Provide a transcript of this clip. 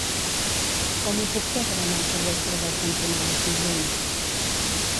Com ho puc fer per anar al carrer Servet cantonada Cisell?